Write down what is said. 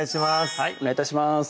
はいお願い致します